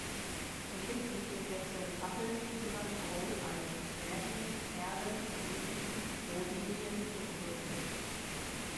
So finden sich im Wechsel Pappeln, Kiefern, Roteichen, Lärchen, Erlen, Buchen, Robinien und Birken.